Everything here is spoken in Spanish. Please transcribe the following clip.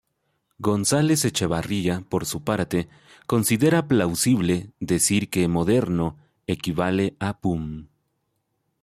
González Echevarría, por su parte, considera “plausible" decir que moderno equivale a Boom.